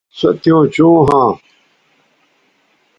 سو تیوں چوں ھواں